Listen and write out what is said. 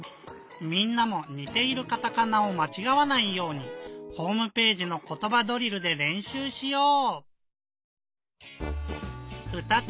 みんなもにているカタカナをまちがわないようにホームページの「ことばドリル」でれんしゅうしよう！